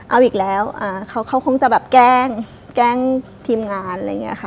เอาอีกแล้วเขาคงจะแกล้งทีมงาน